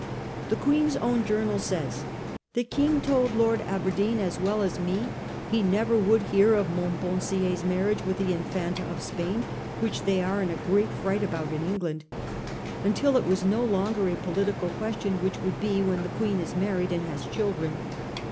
The Queen's own journal says :' The King told Lord Aberdeen as well as me he never would hear of Montpensier's marriage with the Infanta of Spain — which they are in a great fright about in England — until it was no longer a political question, which would be when the Queen is married and has children.